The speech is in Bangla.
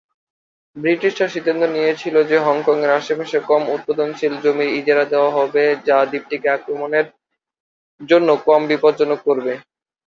ব্রিটিশরা সিদ্ধান্ত নিয়েছিল যে হংকংয়ের আশেপাশের কম উৎপাদনশীল জমির ইজারা দেওয়া হবে, যা দ্বীপটিকে আক্রমণের জন্য কম বিপজ্জনক করবে।